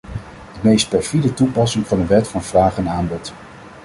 De meest perfide toepassing van de wet van vraag en aanbod.